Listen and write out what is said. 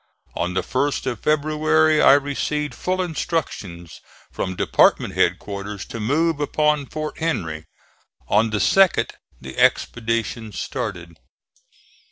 On the 1st of February I received full instructions from department headquarters to move upon Fort Henry. On the 2d the expedition started.